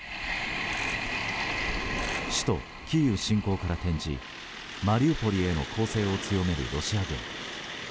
首都キーウ侵攻から転じマリウポリへの攻勢を強めるロシア軍。